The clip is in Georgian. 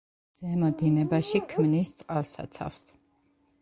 ზემო დინებაში ქმნის წყალსაცავს.